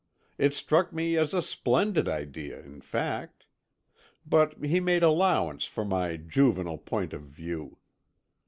It struck me as a splendid idea, in fact. But he made allowance for my juvenile point of view.